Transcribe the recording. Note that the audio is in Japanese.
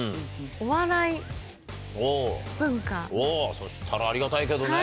そしたらありがたいけどね。